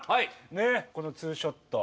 ねえこのツーショット。